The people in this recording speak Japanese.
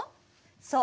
そう。